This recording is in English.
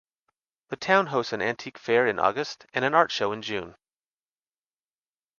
The town hosts an antique fair in August and an art show in June.